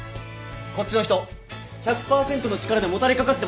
こっちの人１００％の力でもたれかかってますよね。